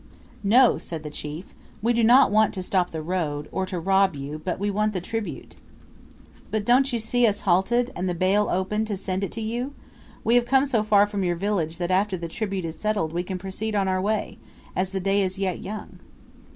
"No," said the chief; "we do not want to stop the road, or to rob you; but we want the tribute." "But don't you see us halted, and the bale opened to send it to you? We have come so far from your village that after the tribute is settled we can proceed on our way, as the day is yet young."